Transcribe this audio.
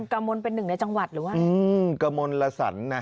กระมนเป็นหนึ่งในจังหวัดหรือว่ากระมนละสันนะ